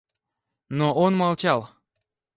Но он молчал.